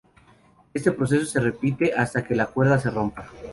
Este proceso se repite hasta que la cuerda se rompa.